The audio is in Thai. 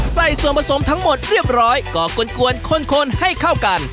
ใส่ส่วนผสมทั้งหมดเรียบร้อยก็กวนคนให้เข้ากัน